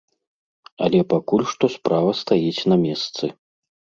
Але пакуль што справа стаіць на месцы.